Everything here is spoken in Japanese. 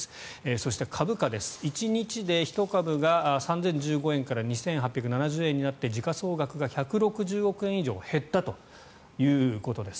そして株価です、１日で１株が３０１５円から２８７０円になって時価総額が１６０億円以上減ったということです。